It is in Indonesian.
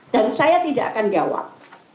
dan saya tidak akan jawab